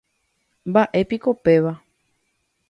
Mba'épiko péva.